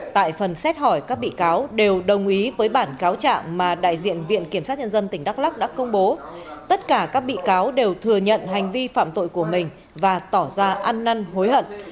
tại phần xét hỏi các bị cáo đều đồng ý với bản cáo trạng mà đại diện viện kiểm sát nhân dân tỉnh đắk lắc đã công bố tất cả các bị cáo đều thừa nhận hành vi phạm tội của mình và tỏ ra ăn năn hối hận